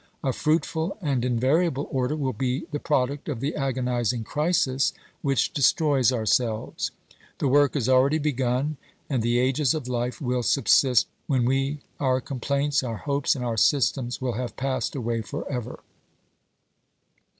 A fruitful and invariable order will be the product of the agonising crisis which destroys ourselves. The work is already begun, and the ages of life will subsist when we our complaints, our hopes and our systems will have passed away for ever.